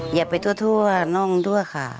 เหยียบไปทั่วน่องทั่วขา